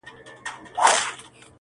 زه راغلی یم چي لار نه کړمه ورکه؛